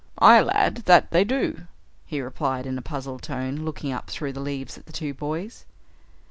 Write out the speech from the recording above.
"Aye lad, that they do," Ned replied in a puzzled tone, looking up through the leaves at the two boys.